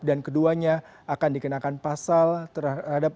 dan keduanya akan dikenakan pasal terhadap